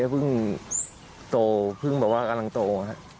เพิ่งโตเพิ่งเกินโต